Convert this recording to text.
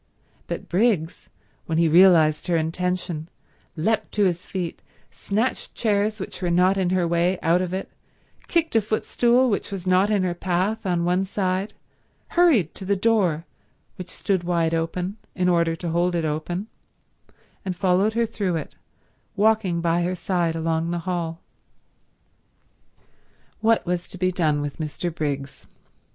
But Briggs, when he realized her intention, leapt to his feet, snatched chairs which were not in her way out of it, kicked a footstool which was not in her path on one side, hurried to the door, which stood wide open, in order to hold it open, and followed her through it, walking by her side along the hall. What was to be done with Mr. Briggs?